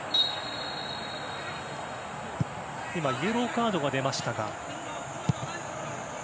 今イエローカードが出ました。